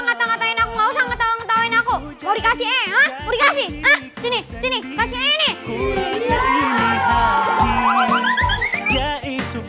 mau dikasih ee mau dikasih sini sini kasih ee nih